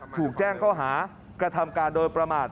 ถูกแจ้งข้อหากระทำการโดยประมาท